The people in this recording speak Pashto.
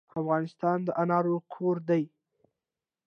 افغانستان د انارو کور دی.